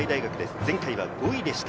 前回５位でした。